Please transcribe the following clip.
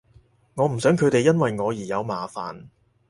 我唔想佢哋因為我而有麻煩